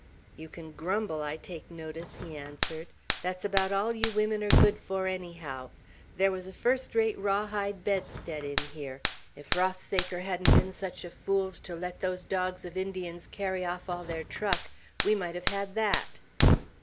"You can grumble, I take notice," he answered. "That's about all you women are good for, anyhow. There was a first rate raw hide bedstead in here. If Rothsaker hadn't been such a fool's to let those dogs of Indians carry off all their truck, we might have had that!"